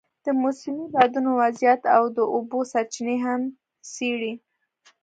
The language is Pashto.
د موسمي بادونو وضعیت او د اوبو سرچینې هم څېړي.